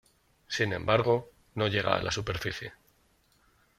Sin embargo, no llega a la superficie.